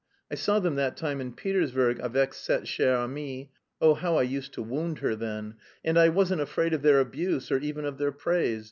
I saw them that time in Petersburg avec cette chère amie (oh, how I used to wound her then), and I wasn't afraid of their abuse or even of their praise.